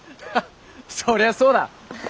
そりゃそうだ。